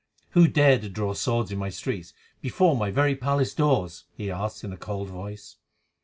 "Who dare to draw swords in my streets, before my very palace doors?" he asked in a cold voice.